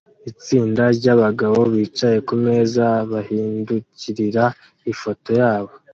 Itsinda ryabagabo bicaye kumeza bahindukirira ifoto yabo